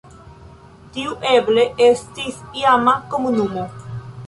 Tiu eble estis iama komunumo.